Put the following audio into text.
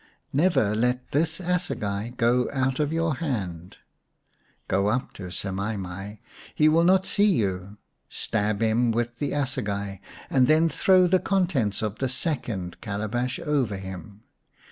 Never let this assegai go out of your hand. Go up to Semai mai. He will not see you, stab him with the assegai and then throw the contents of the second calabash over him.